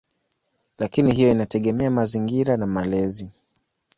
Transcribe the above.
Lakini hiyo inategemea mazingira na malezi.